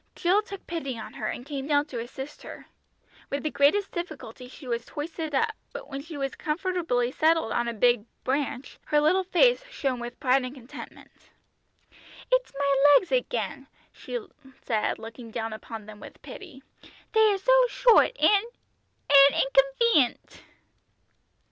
Jill took pity on her, and came down to assist her. With the greatest difficulty she was hoisted up, but when she was comfortably settled on a big branch, her little face shone with pride and contentment. "It's my legs again," she said, looking down upon them with pity; "they is so short, and and inconven'ent!"